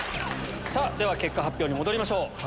では結果発表に戻りましょう。